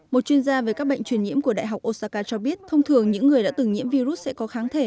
một chuyên gia về các bệnh truyền nhiễm của đại học osaka cho biết thông thường những người đã từng nhiễm virus sẽ có kháng thể